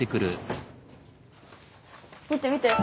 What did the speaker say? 見てみて。